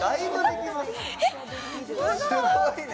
すごいね！